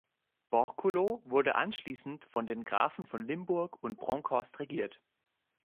Borculo wurde anschließend von den Grafen von Limburg und Bronkhorst regiert.